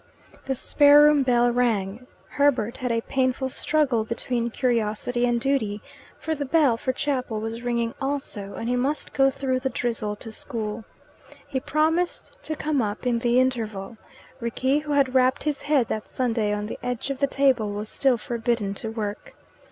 The spare room bell rang. Herbert had a painful struggle between curiosity and duty, for the bell for chapel was ringing also, and he must go through the drizzle to school. He promised to come up in the interval, Rickie, who had rapped his head that Sunday on the edge of the table, was still forbidden to work.